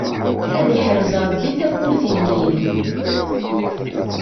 Ad iḥrez Rebbi tawwurt yellin.